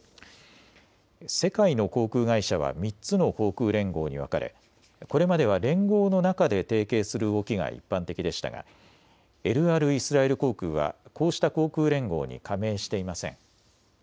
世界の航空会社は３つの航空連合に分かれこれまでは連合の中で提携する動きが一般的でしたがエルアルイスラエル航空はこうした航空連合に加盟していません。